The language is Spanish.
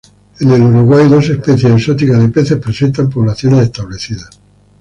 En el Uruguay dos especies exóticas de peces presentan poblaciones establecidas.